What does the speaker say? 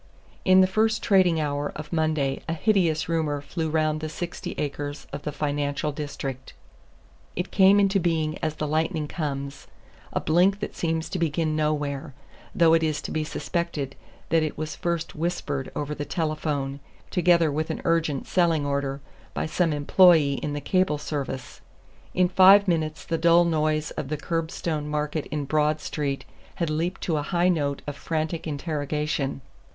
In the first trading hour of Monday a hideous rumor flew round the sixty acres of the financial district. It came into being as the lightning comes, a blink that seems to begin nowhere; though it is to be suspected that it was first whispered over the telephone together with an urgent selling order by some employee in the cable service. In five minutes the dull noise of the curbstone market in Broad Street had leaped to a high note of frantic interrogation.